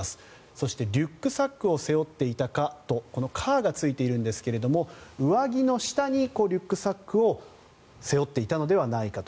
そして、リュックサックを背負っていたかとこの「か」がついているんですが上着の下にリュックサックを背負っていたのではないかと。